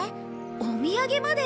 お土産まで？